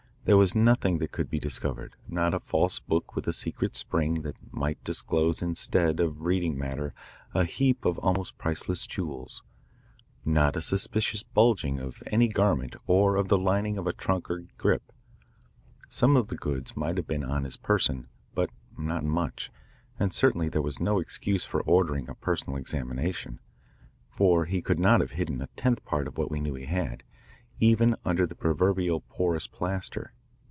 There was nothing that could be discovered, not a false book with a secret spring that might disclose instead of reading matter a heap of almost priceless jewels, not a suspicious bulging of any garment or of the lining of a trunk or grip. Some of the goods might have been on his person, but not much, and certainly there was no excuse for ordering a personal examination, for he could not have hidden a tenth part of what we knew he had, even under the proverbial porous plaster.